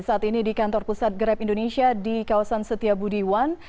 saat ini di kantor pusat grab indonesia di kawasan setiabudi wan